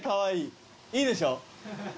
いいでしょ。